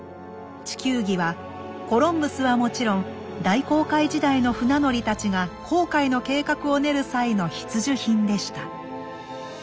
地球儀はコロンブスはもちろん大航海時代の船乗りたちが航海の計画を練る際の必需品でした。